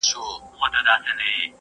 د دې له منځه تلل هم حتمي خبره ده